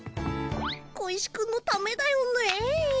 小石君のためだよね。